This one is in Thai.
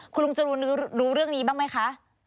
คุณลุงจรูนรู้เรื่องนี้บ้างไหมคะ